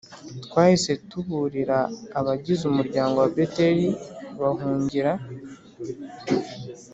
Twahise tuburira abagize umuryango wa Beteli bahungira